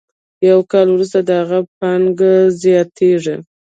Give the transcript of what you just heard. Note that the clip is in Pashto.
یو کال وروسته د هغه پانګه زیاتېږي